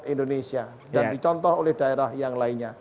indonesia dan dicontoh oleh daerah yang lainnya